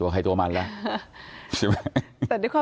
เกิด